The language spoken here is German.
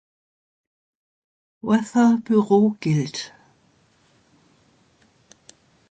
Weather Bureau gilt.